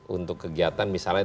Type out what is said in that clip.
untuk kegiatan misalnya